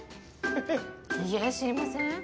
いいえ知りません。